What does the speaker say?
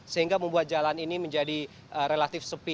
sehingga membuat jalan ini menjadi relatif sepi